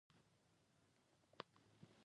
پښتو بايد د ټيکنالوژۍ برخه وګرځوو!